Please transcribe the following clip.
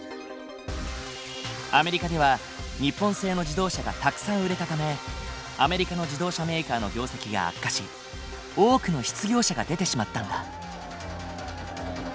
アメリカでは日本製の自動車がたくさん売れたためアメリカの自動車メーカーの業績が悪化し多くの失業者が出てしまったんだ。